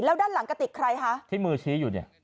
แล้วด้านหลังกระติกใครคะที่มือชี้อยู่เนี่ย